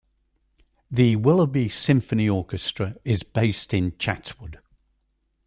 The Willoughby Symphony Orchestra is based in Chatswood.